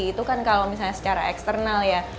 itu kan kalau misalnya secara eksternal ya